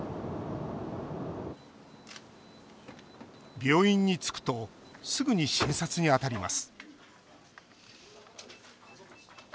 病院に着くとすぐに診察に当たります。